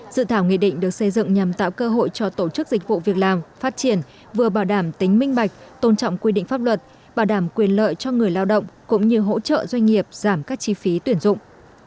dự thảo nghị định được xây dựng nhằm tạo cơ hội cho tổ chức dịch vụ việc làm phát triển vừa bảo đảm tính minh bạch tôn trọng quy định pháp luật bảo đảm quyền lợi cho người lao động cũng như hỗ trợ doanh nghiệp giảm các chi phí tuyển dụng